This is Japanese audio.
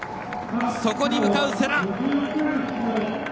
そこに向かう世羅。